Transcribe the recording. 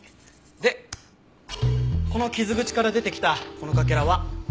でこの傷口から出てきたこのかけらは塗料だったよ。